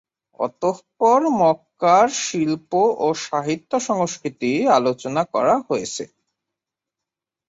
অতঃপর মক্কার শিল্প ও সাহিত্য-সংস্কৃতি আলোচনা করা হয়েছে।